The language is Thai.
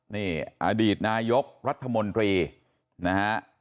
นี่อดีตนายกรัฐมนตรีนะฮะ